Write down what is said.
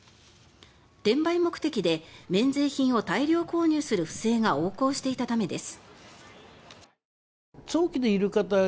転売目的で免税品を大量購入する不正が横行していたためです。